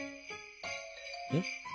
えっ？